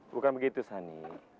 bukan begitu sani